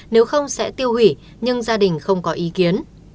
nếu không sẽ tiêu hủy nhưng gia đình không có ý kiến